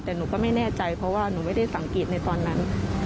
แต่หนูก็ไม่แน่ใจเพราะว่าหนูไม่ได้สังเกตในตอนนั้น